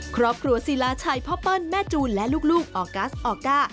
ครอบครัวศิลาชัยพ่อเปิ้ลแม่จูนและลูกออกัสออก้า